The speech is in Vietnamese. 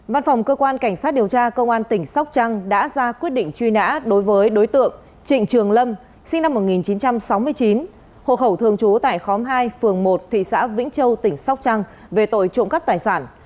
văn phòng cơ quan cảnh sát điều tra công an tỉnh sóc trăng đã ra quyết định truy nã đối với đối tượng trịnh trường lâm sinh năm một nghìn chín trăm sáu mươi chín hộ khẩu thường trú tại khóm hai phường một thị xã vĩnh châu tỉnh sóc trăng về tội trộm cắp tài sản